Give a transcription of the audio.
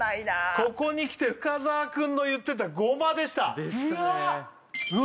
ここにきて深澤くんの言ってたごまでしたでしたねうわ